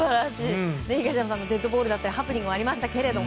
東山さんデッドボールだったりハプニングがありましたけど。